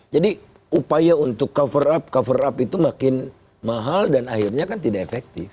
jadi upaya untuk cover up cover up itu makin mahal dan akhirnya kan tidak efektif